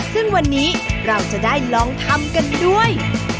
ซึ่งวันนี้เราจะได้ลองทำกันด้วย